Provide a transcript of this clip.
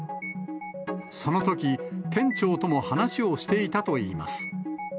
そのとき、店長とも話をしていたといいます。